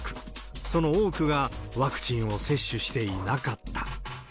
その多くが、ワクチンを接種していなかった。